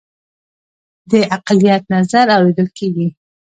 د اقلیت نظر اوریدل کیږي؟